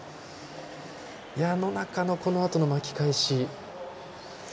野中のこのあとの巻き返し。